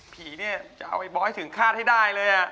ภีร์เนี้ยจะเอาไอบ๊อคถึงฆาตให้ได้เลยอะ